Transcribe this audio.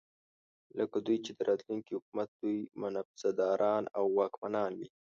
لکه دوی چې د راتلونکي حکومت لوی منصبداران او واکمنان وي.